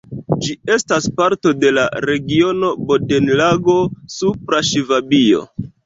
Ĝi estas parto de la regiono Bodenlago-Supra Ŝvabio.